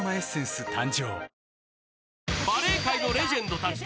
誕生